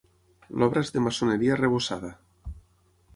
L'obra és de maçoneria arrebossada.